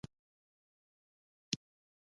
آزاد تجارت مهم دی ځکه چې فقر کموي افغانستان کې.